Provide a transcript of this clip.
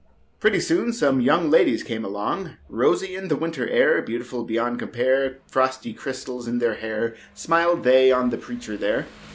Pretty soon some young ladies came along, rosy in winter air, beautiful beyond compare, frosty crystals in their hair; smiled they on the preacher there.